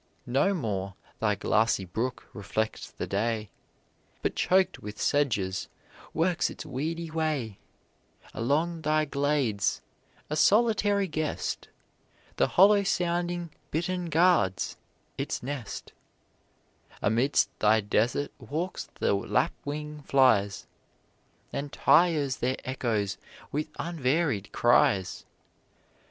No more thy glassy brook reflects the day, But choked with sedges, works its weedy way; Along thy glades, a solitary guest, The hollow sounding bittern guards its nest; Amidst thy desert walks the lapwing flies, And tires their echoes with unvaried cries.